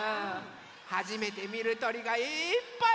はじめてみるとりがいっぱい！